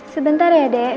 sebentar ya dek